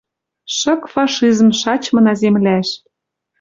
Шык фашизм шачмына земляш.